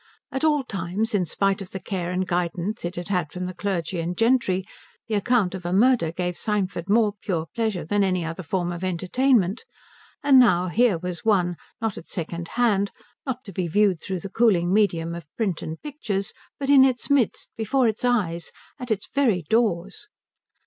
At all times, in spite of the care and guidance it had had from the clergy and gentry, the account of a murder gave Symford more pure pleasure than any other form of entertainment; and now here was one, not at second hand, not to be viewed through the cooling medium of print and pictures, but in its midst, before its eyes, at its very doors.